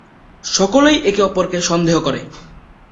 সকলেই একে অপরকে সন্দেহ করে।